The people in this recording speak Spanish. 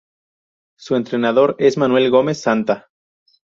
Su entrenador es Manuel Gómez "Santa".